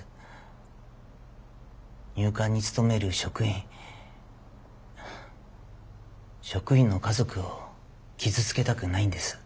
入管に勤める職員職員の家族を傷つけたくないんです。